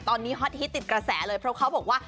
ตอนนี้ฮอตฮิตติดกระแสเลยเพราะเขาบอกว่า